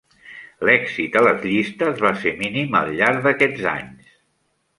L'èxit a les llistes va ser mínim al llarg d'aquests anys.